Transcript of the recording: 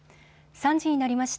３時になりました。